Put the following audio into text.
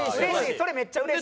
それめっちゃうれしい。